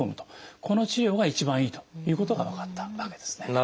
この治療が一番いいということが分かったわけですね。